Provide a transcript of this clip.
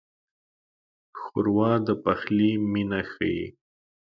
ښوروا د پخلي مینه ښيي.